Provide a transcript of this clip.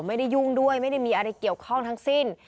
ยุ่งด้วยไม่ได้มีอะไรเกี่ยวข้องทั้งสิ้น